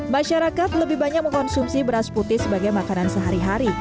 masyarakat lebih banyak mengkonsumsi beras putih sebagai makanan sehari hari